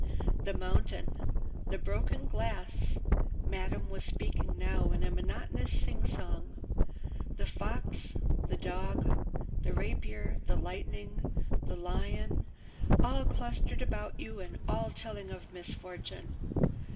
"The mountain, the broken glass—" Madame was speaking now in a monotonous singsong. "The fox, the dog, the rapier, the lightning, the lion, all clustered about you and all telling of misfortune!